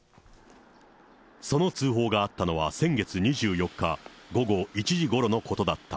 その通報があったのは、先月２４日午後１時ごろのことだった。